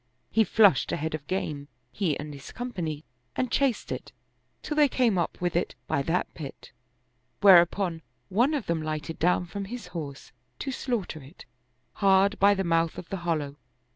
He flushed a head of game, he and his company, and chased it, till they came up with it by that pit, where upon one of them lighted down from his horse, to slaughter it, hard by the mouth of the hollow.